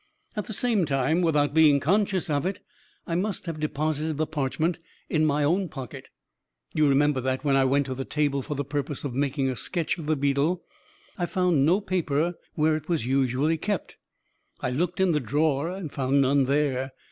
At the same time, without being conscious of it, I must have deposited the parchment in my own pocket. "You remember that when I went to the table for the purpose of making a sketch of the beetle, I found no paper where it was usually kept. I looked in the drawer, and found none there.